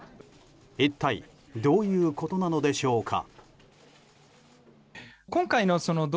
一体どういうことなのでしょうか。